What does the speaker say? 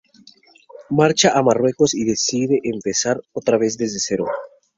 Marcha a Marruecos y decide empezar otra vez desde cero.